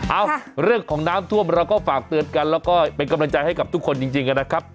เอ้าเรื่องของน้ำท่วมเราก็ฝากเตือนกันแล้วก็เป็นกำลังใจให้กับทุกคนจริงนะครับ